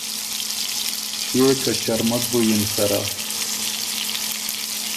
کيې که ݭرمک بُو یِن سَرَه۔